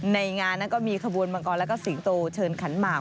ในงานก็มีขบวนมังกรและสิงห์โตเชิญขันหมาก